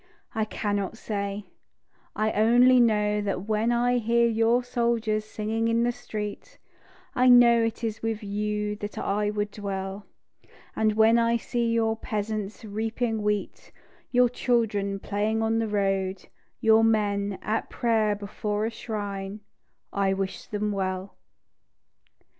I cannot say, I only know that when I hear your soldiers singing in the street, I know it is with you that I would dwell; And when I see your peasants reaping wheat, Your children playing on the road, your men At prayer before a shrine, I wish them well.